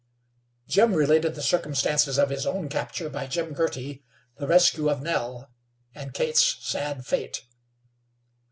Jim related the circumstances of his own capture by Jim Girty, the rescue of Nell, and Kate's sad fate.